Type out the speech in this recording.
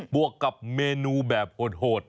วกกับเมนูแบบโหด